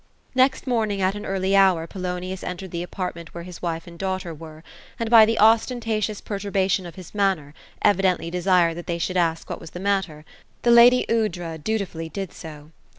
Next morning, at an early hour, Polonius entered the apartment where his wife and daughter were, and by the ostentatious perturbation of his manner, evidently desired that they should ask what was the matter. The lady Aoudra dutifully did so.